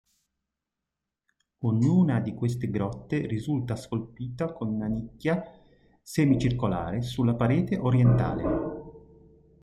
Ognuna di queste grotte risulta scolpita con una nicchia semicircolare sulla parete orientale.